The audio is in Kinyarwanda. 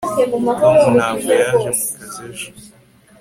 tom ntabwo yaje mu kazi ejo